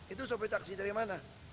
itu sopir taksi dari mana